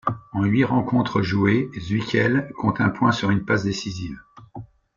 En huit rencontres jouées, Zwikel compte un point sur une passe décisive.